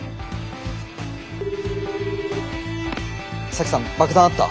沙樹さん爆弾あった。